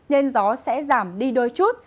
nên gió sẽ giảm đi đôi chút